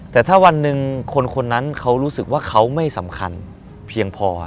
แต่ถ้าวันหนึ่งคนคนนั้นเขารู้สึกว่าเขาไม่สำคัญเพียงพอ